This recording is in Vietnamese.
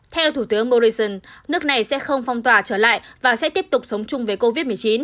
theo thủ tướng morrison nước này sẽ không phong tỏa trở lại và sẽ tiếp tục sống chung với covid một mươi chín